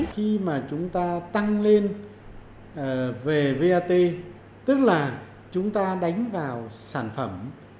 khi mà chúng ta tăng lên về vat tức là chúng ta đánh vào sản phẩm